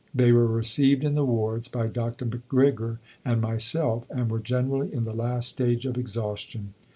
They were received in the wards by Dr. McGrigor and myself, and were generally in the last stage of exhaustion.